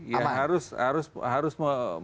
yang harus melakukan